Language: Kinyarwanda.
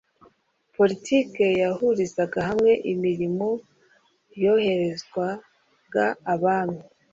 poritiki yahurizaga hamwe imirimo yoherezwaga ibwami